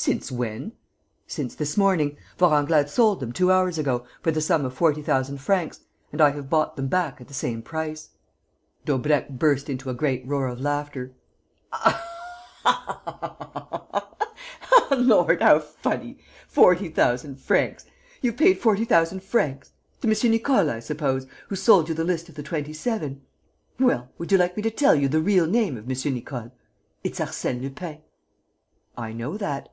"Since when?" "Since this morning. Vorenglade sold them, two hours ago, for the sum of forty thousand francs; and I have bought them back at the same price." Daubrecq burst into a great roar of laughter: "Lord, how funny! Forty thousand francs! You've paid forty thousand francs! To M. Nicole, I suppose, who sold you the list of the Twenty seven? Well, would you like me to tell you the real name of M. Nicole? It's Arsène Lupin!" "I know that."